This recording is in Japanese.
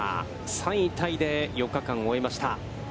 ３位タイで、４日間を終えました。